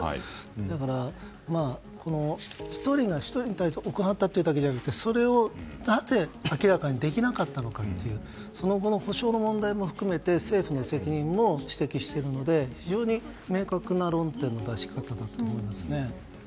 だから、１人が１人に対して行っただけではなくそれをなぜ明らかにできなかったのかというその後の補償についても政府の責任も指摘しているので非常に明確な論点の出し方だと思います。